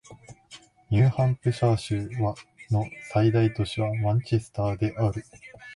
ニューハンプシャー州の最大都市はマンチェスターである